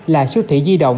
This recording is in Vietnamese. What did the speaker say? là siêu thị di động